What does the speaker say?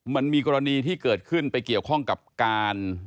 มันมีกรณีที่เกิดขึ้นไปเกี่ยวข้องกับการ